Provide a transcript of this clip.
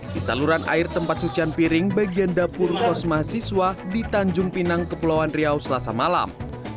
di saluran air tempat cucian piring bagian dapur kosmah siswa di tanjung pinang kepulauan riau selasa malam